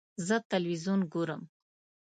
زه تلویزیون ګورم.